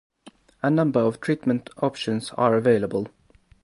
A number of treatment options are available.